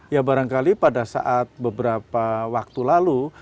ya barangkali pada saat beberapa waktu lalu